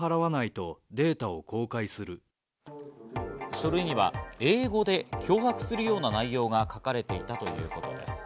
書類には英語で脅迫するような内容が書かれていたということです。